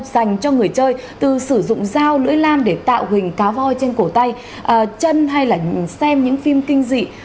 dành cho người chơi từ sử dụng dao lưỡi lam để tạo hình cá voi trên cổ tay chân hay là xem những phim kinh dị